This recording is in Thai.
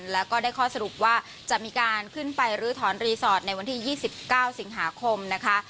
แล้วก็ได้ข้อสรุปว่าจะมีการขึ้นไปรื้อถอนรีสอร์ทในวันที่๒๙สิงหาคมนะคะ